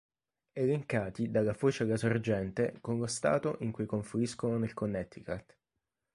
Elencati dalla foce alla sorgente con lo Stato in cui confluiscono nel Connecticut.